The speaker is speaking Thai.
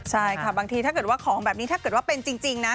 ใช่ค่ะบางทีถ้าเกิดว่าของแบบนี้ถ้าเกิดว่าเป็นจริงนะ